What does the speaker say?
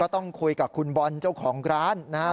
ต้องคุยกับคุณบอลเจ้าของร้านนะครับ